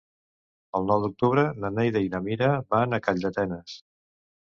El nou d'octubre na Neida i na Mira van a Calldetenes.